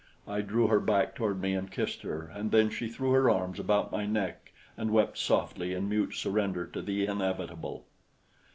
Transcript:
I drew her back toward me and kissed her, and then she threw her arms about my neck and wept softly in mute surrender to the inevitable.